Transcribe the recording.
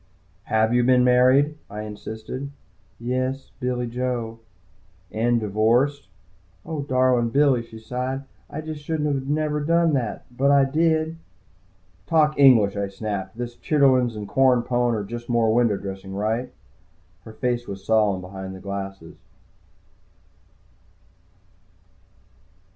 "Have you been married?" I insisted. "Yes, Billy Joe." "And divorced?" "Oh, darlin' Billy," she sighed. "I jest shouldn't never a done that. But I did," she added. "Talk English," I snapped. "This chitterlin's and corn pone are just more window dressing, right?" Her face was solemn behind the glasses.